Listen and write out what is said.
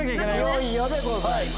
いよいよでございます。